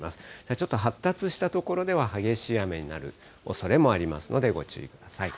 ちょっと発達した所では激しい雨になるおそれもありますので、ご注意ください。